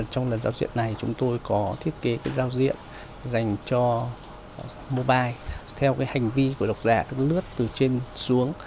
trong lần giao diện này chúng tôi có thiết kế giao diện dành cho mobile theo hành vi của độc giả các lướt từ trên xuống